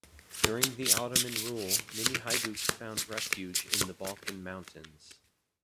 During the Ottoman rule, many "haiduks" found refuge in the Balkan Mountains.